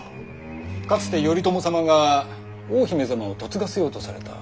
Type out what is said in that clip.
かつて頼朝様が大姫様を嫁がせようとされた。